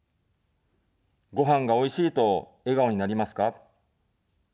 ごはんがおいしいと笑顔になりますか。